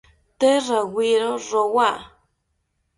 Tee rawiero rowa